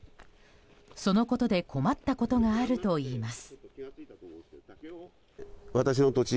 そのことで困ったことがあるといいます。